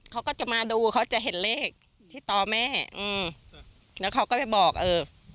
เขาก็จะมาดูเขาจะเห็นเลขที่ต่อแม่อืมแล้วเขาก็ไปบอกเออ